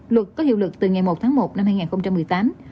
luật có hiệu lực từ ngày một tháng một năm hai nghìn một mươi tám